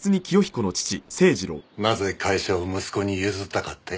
なぜ会社を息子に譲ったかって？